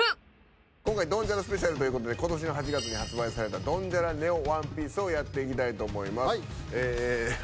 今回ドンジャラスペシャルということでことしの８月に発売されたドンジャラＮＥＯＯＮＥＰＩＥＣＥをやっていきたいと思います。